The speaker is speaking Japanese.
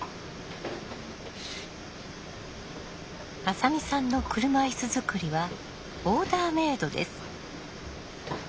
浅見さんの車いす作りはオーダーメードです。